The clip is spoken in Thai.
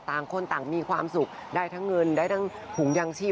ต่างคนต่างมีความสุขได้ทั้งเงินได้ทั้งถุงยางชีพ